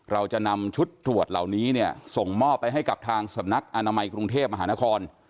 เราจะนำชุดตรวจเหล่านี้เนี่ยส่งมอบไปให้กับทางสำนักอนามัยกรุงเทพมหานคร